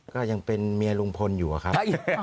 ก็ยังเป็นเมียลุงพลอยู่อะครับ